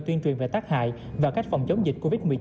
tuyên truyền về tác hại và cách phòng chống dịch covid một mươi chín